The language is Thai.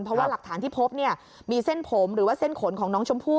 เพราะว่าหลักฐานที่พบเนี่ยมีเส้นผมหรือว่าเส้นขนของน้องชมพู่